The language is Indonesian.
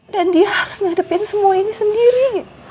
dan dia harus ngadepin semua ini sendiri